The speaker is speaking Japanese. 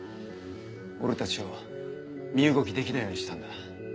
俺たちを身動きできないようにしたんだ。